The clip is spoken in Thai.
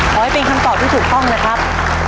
ขอให้เป็นคำตอบที่ถูกต้องนะครับ